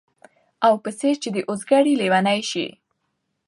او په څېر چي د اوزګړي لېونی سي